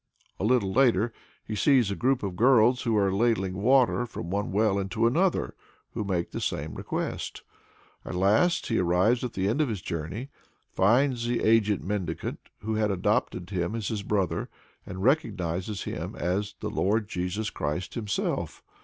A little later he sees a group of girls who are ladling water from one well into another, who make the same request. At last he arrives at the end of his journey, finds the aged mendicant who had adopted him as his brother, and recognizes him as "the Lord Jesus Christ Himself."